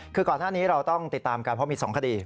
คือก่อนหน้านี้เราต้องติดตามกันเพราะมี๒คดี